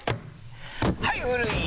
はい古い！